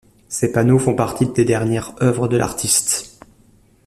Ces panneaux font partie des dernières œuvres de l'artiste.